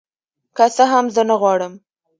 که څه هم زه نغواړم